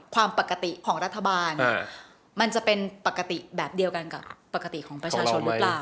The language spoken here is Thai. ความปกติของรัฐบาลมันจะเป็นปกติแบบเดียวกันกับปกติของประชาชนหรือเปล่า